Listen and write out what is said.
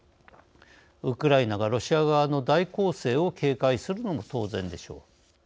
ウクライナがロシア側の大攻勢を警戒するのも当然でしょう。